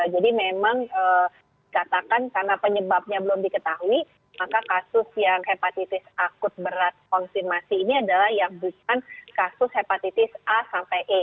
jadi memang katakan karena penyebabnya belum diketahui maka kasus yang hepatitis akut berat konsumasi ini adalah yang bukan kasus hepatitis a sampai e